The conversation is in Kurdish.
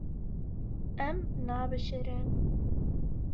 Em nabişirin.